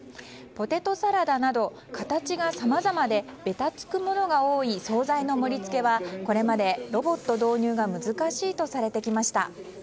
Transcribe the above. ポテトサラダなど形がさまざまでべたつくものが多い総菜の盛り付けはこれまでロボット導入が難しいとされていました。